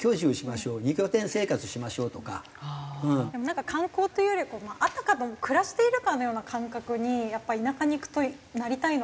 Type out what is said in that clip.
なんか観光というよりはあたかも暮らしているかのような感覚にやっぱ田舎に行くとなりたいのかなと思って。